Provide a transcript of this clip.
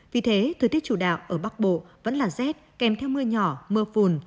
vì thế thời tiết chủ đạo ở bắc bộ vẫn là rét kèm theo mưa nhỏ mưa phùn